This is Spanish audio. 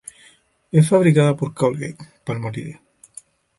Es fabricada por Colgate-Palmolive.